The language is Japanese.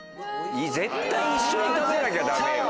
絶対一緒に食べなきゃダメよ。